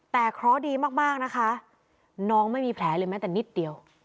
แต่เคราะห์ดีมากนะคะน้องไม่มีแผลเลยแม้แต่นิดเดียว